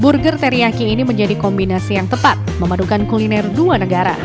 burger teriyaki ini menjadi kombinasi yang tepat memadukan kuliner dua negara